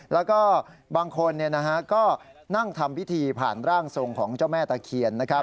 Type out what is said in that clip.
แล้วก็บางคนก็นั่งทำพิธีผ่านร่างทรงของเจ้าแม่ตะเคียน